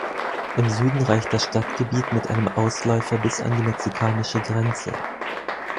Im Süden reicht das Stadtgebiet mit einem Ausläufer bis an die mexikanische Grenze.